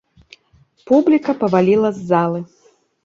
Публіка паваліла з залы.